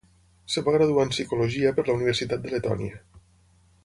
Es va graduar en psicologia per la Universitat de Letònia.